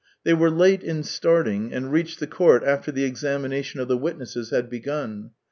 They were late in starting, and reached the court after the examination of the witnesses had begun.